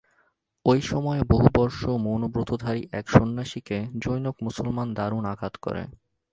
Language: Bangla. ঐ সময়ে বহুবর্ষ-মৌনব্রতধারী এক সন্ন্যাসীকে জনৈক মুসলমান দারুণ আঘাত করে।